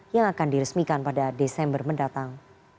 yang akan diresmikan pada desember mendatang